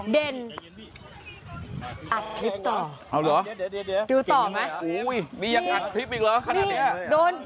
เด่นอัดคลิปต่อดูต่อไหมโอ้ยนี่ยังอัดคลิปอีกเหรอขนาดนี้